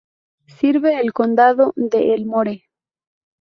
Sirve el Condado de Elmore.